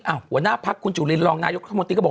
หัวหน้าภักรุงคุณจุลินรองนายอุทธิบาลมะนาติก้บอก